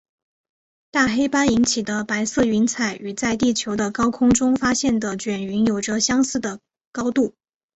大黑斑引起的白色云彩与在地球的高空中发现的卷云有着相似的高度。